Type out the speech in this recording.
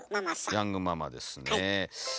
ヤングママですね。